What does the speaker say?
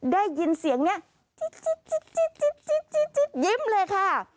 ได้ยินเสียงนี้จิ๊กยิ้มเลยค่ะ